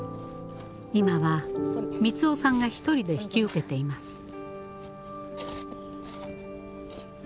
今は三男さんが１人で引き受けています。